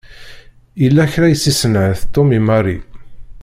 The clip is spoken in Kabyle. Yella kra i s-isenɛet Tom i Mary.